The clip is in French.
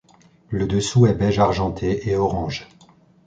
Le dessous est beige argenté et orange.